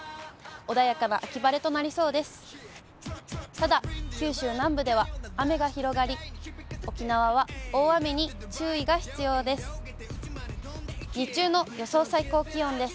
穏やかな秋晴れとなりそうです。